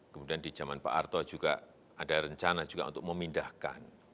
kemudian di zaman pak arto juga ada rencana juga untuk memindahkan